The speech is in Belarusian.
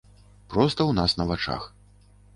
Проста ў нас на вачах.